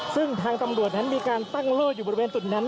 ซึ่งทางตำรวจนั้นมีการตั้งโล่อยู่บริเวณจุดนั้น